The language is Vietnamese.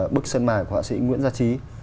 bức sơn mài của họa sĩ nguyễn gia trí